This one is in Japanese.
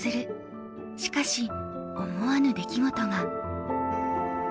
しかし思わぬ出来事が。